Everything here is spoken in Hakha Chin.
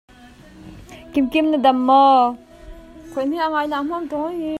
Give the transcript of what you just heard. A nau cu pawpiroh a si.